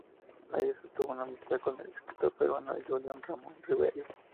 Allí sostuvo una amistad con el escritor peruano Julio Ramón Ribeyro.